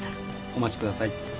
お待ちください。